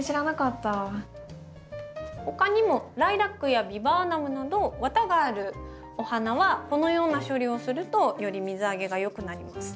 ほかにもライラックやビバーナムなどワタがあるお花はこのような処理をするとより水あげがよくなります。